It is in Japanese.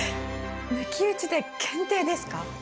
抜き打ちで検定ですか？